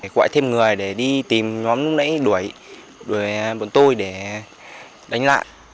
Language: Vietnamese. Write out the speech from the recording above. gọi thêm người để đi tìm nhóm nãy đuổi đuổi bọn tôi để đánh lại